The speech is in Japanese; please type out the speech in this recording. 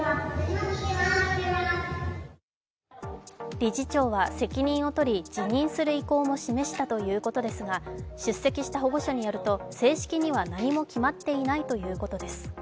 理事長は責任を取り辞任する意向も示したということですが、出席した保護者によると、正式には何も決まっていないということです。